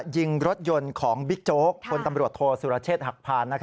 ยิงรถยนต์ของบิ๊กโจ๊กคนตำรวจโทษสุรเชษฐ์หักพาน